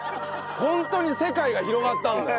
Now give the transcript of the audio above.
ホントに世界が広がったんだよ。